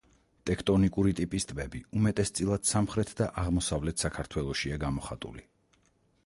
ტექტონიკური ტიპის ტბები უმეტესწილად სამხრეთ და აღმოსავლეთ საქართველოშია გამოხატული.